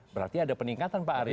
berarti ada peningkatan pak arief